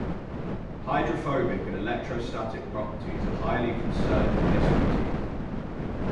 Hydrophobic and electrostatic properties are highly conserved in this motif.